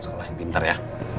sekolah yang pinter ya